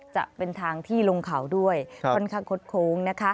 จะเป็นทางที่ลงเขาด้วยค่อนข้างคดโค้งนะคะ